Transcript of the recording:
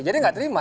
jadi nggak terima